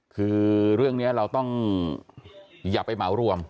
คือเรื่องนี้เราต้องอย่าไปเหมารวม